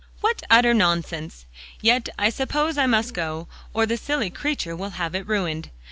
"What utter nonsense! Yet I suppose I must go, or the silly creature will have it ruined.